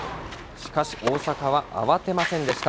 しかし、大阪は慌てませんでした。